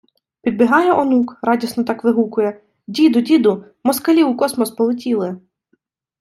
Підбігає онук, радісно так вигукує: “Діду, діду, москалі у космос полетіли!”